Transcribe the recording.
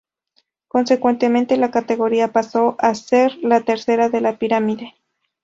Consecuentemente la categoría pasó a ser la tercera de la pirámide.